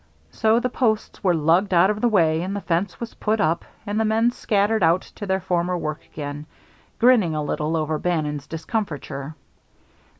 So the posts were lugged out of the way and the fence was put up and the men scattered out to their former work again, grinning a little over Bannon's discomfiture.